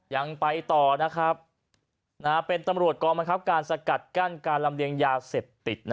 ยังไปต่อนะครับเป็นตำรวจกองบังคับการสกัดกั้นการลำเลียงยาเสพติด